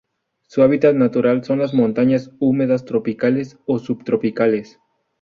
Su hábitat natural son las montañas húmedas tropicales o subtropicales.